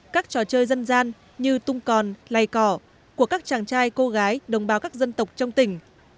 các trò chơi dân gian như tung còn lày cỏ của các chàng trai cô gái đồng bào các dân tộc trong tỉnh